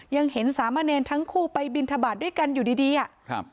ยังเห็นสามเณรทั้งคู่ไปบินทบาทด้วยกันอยู่ดีดีอ่ะครับ